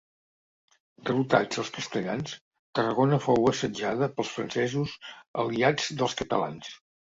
Derrotats els castellans, Tarragona fou assetjada pels francesos aliats dels catalans.